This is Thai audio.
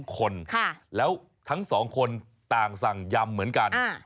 คนแล้วทั้ง๒คนต่างสั่งยำเหมือนกัน